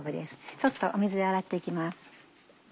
ちょっと水で洗って行きます。